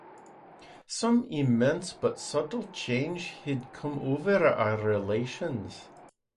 Some immense but subtle change had come over our relations.